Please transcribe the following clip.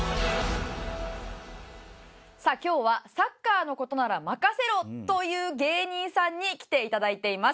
さあ今日は「サッカーの事なら任せろ！」という芸人さんに来て頂いています。